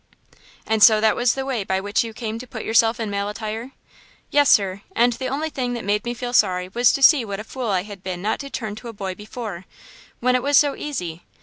"And so that was the way by which you came to put yourself in male attire?" "Yes, sir, and the only thing that made me feel sorry was to see what a fool I had been not to turn to a boy before, when it was so easy!